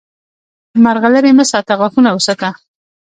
مرغلرې مه ساته، غاښونه وساته!